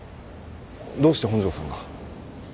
どうして本庄さんが？